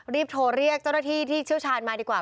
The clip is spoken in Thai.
รีบโทรเรียกเจ้าหน้าที่ที่เชี่ยวชาญมาดีกว่า